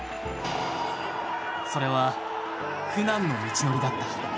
それは、苦難の道のりだった。